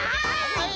はい！